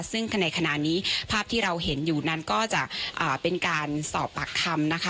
ซึ่งในขณะนี้ภาพที่เราเห็นอยู่นั้นก็จะเป็นการสอบปากคำนะคะ